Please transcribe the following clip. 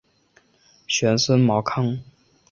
玄孙毛堪。